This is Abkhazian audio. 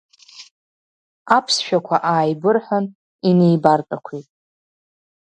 Аԥсшәақәа ааибырҳәан, инеибартәақәеит.